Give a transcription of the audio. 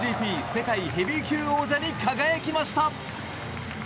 世界ヘビー級王者に輝きました。